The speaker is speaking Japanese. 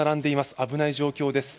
危ない状況です。